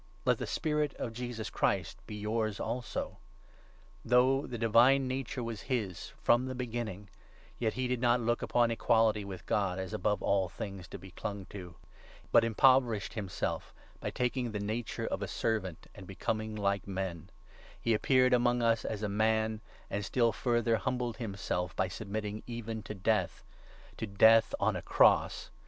Let 5 Example, the spirit of Christ Jesus be yours also. Though 6 .the divine nature was his from the beginning, yet he did not look upon equality with God as above all things to be clung to, but 7 impoverished himself by taking the nature of a servant and becoming like men ; he appeared among us as a man, and 8 still further humbled himself by submitting even to death — to death on a cross